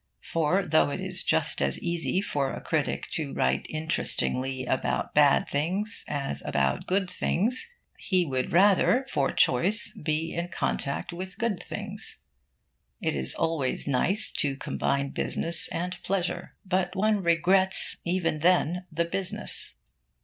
For, though it is just as easy for a critic to write interestingly about bad things as about good things, he would rather, for choice, be in contact with good things. It is always nice to combine business and pleasure. But one regrets, even then, the business.